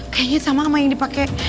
kayaknya sama sama yang dipakai